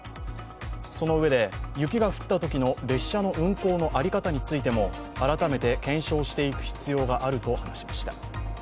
そのうえで、雪が降ったときの列車の運行の在り方についても改めて検証していく必要があると話しました。